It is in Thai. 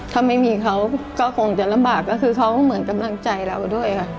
ถ้าไม่มีเขาก็คงจะลำบากก็คือเขาเหมือนกำลังใจเราด้วยค่ะ